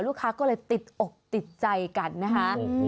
ลูกค้าก็เลยติดอกติดใจกันนะคะ